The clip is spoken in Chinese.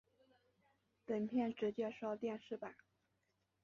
本篇只介绍电视版。